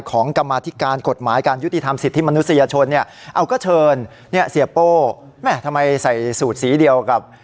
ของกรรมอธิการกฎหมายการยุติธรรมสิทธิ์ที่มนุษยชนเนี่ย